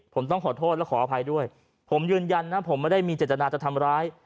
ผมต้องขอโทษและขออภัยด้วยผมยืนยันนะผมไม่ได้มีเจตนาจะทำร้าย